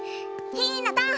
ひなた！